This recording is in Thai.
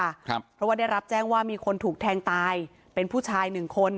ครับเพราะว่าได้รับแจ้งว่ามีคนถูกแทงตายเป็นผู้ชายหนึ่งคน